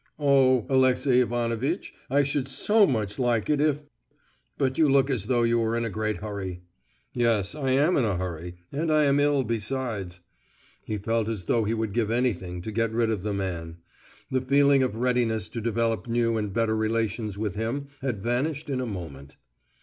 Oh! Alexey Ivanovitch, I should so much like if—but you look as though you were in a great hurry." "Yes, I am in a hurry, and I am ill besides." He felt as though he would give anything to get rid of the man; the feeling of readiness to develop new and better relations with him had vanished in a moment.